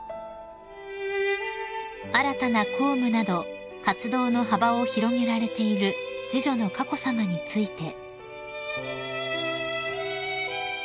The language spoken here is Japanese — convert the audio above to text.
［新たな公務など活動の幅を広げられている次女の佳子さまについて］